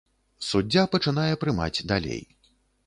Суддзя пачынае прымаць далей.